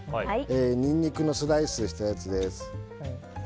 ニンニクのスライスしたやつです。